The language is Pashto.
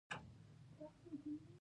دښتې د طبیعت د ښکلا برخه ده.